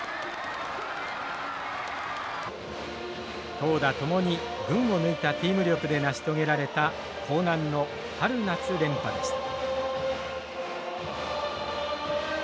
投打共に群を抜いたチーム力で成し遂げられた興南の春夏連覇でした。